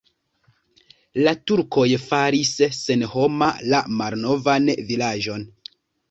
La turkoj faris senhoma la malnovan vilaĝon.